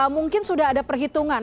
mungkin sudah ada perhitungan